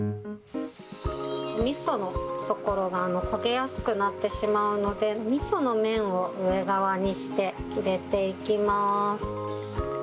みそのところが焦げやすくなってしまうので、みその面を上側にして入れていきます。